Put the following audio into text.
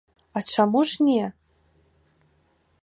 А чаму ж не!